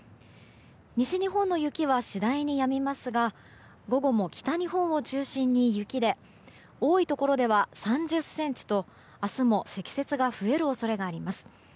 西日本の雪は次第にやみますが午後も北日本を中心に雪で多いところでは３０ｃｍと明日も積雪が増える恐れがあります。